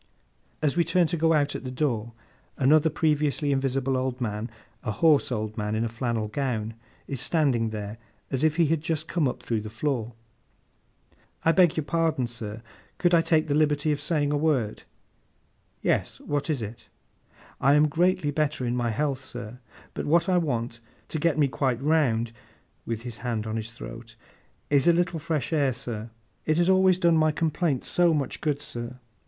As we turn to go out at the door, another previously invisible old man, a hoarse old man in a flannel gown, is standing there, as if he had just come up through the floor. 'I beg your pardon, sir, could I take the liberty of saying a word?' 'Yes; what is it?' 'I am greatly better in my health, sir; but what I want, to get me quite round,' with his hand on his throat, 'is a little fresh air, sir. It has always done my complaint so much good, sir.